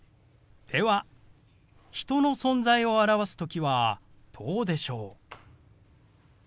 では人の存在を表す時はどうでしょう？